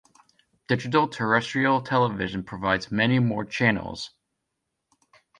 Digital Terrestrial Television provides many more channels.